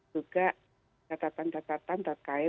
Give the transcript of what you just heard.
juga catatan catatan terkait